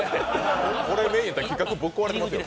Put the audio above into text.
これでええんだったら、企画ぶっ壊れてますよ。